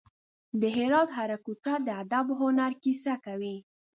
د هرات هره کوڅه د ادب او هنر کیسه کوي.